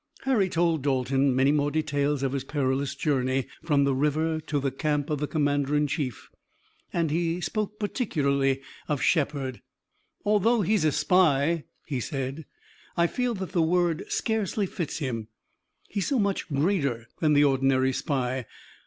Harry told Dalton many more details of his perilous journey from the river to the camp of the commander in chief, and he spoke particularly of Shepard. "Although he's a spy," he said, "I feel that the word scarcely fits him, he's so much greater than the ordinary spy.